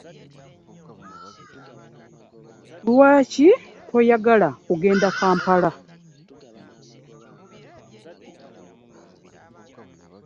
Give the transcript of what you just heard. Lwaki toyagala kugenda Kampala?